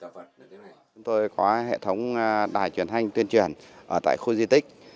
chúng tôi có hệ thống đài truyền hành tuyên truyền ở tại khu di tích